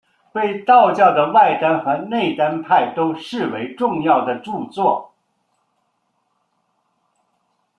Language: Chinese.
被道教的外丹和内丹派都视为重要的着作。